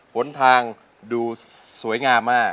หนทางดูสวยงามมาก